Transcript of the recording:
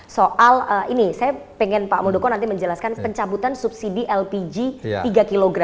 soal ini saya pengen pak muldoko nanti menjelaskan pencabutan subsidi lpg tiga kg